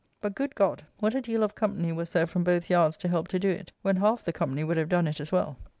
But, good God! what a deal of company was there from both yards to help to do it, when half the company would have done it as well.